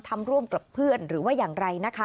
ร่วมกับเพื่อนหรือว่าอย่างไรนะคะ